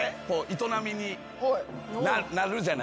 営みになるじゃないですか。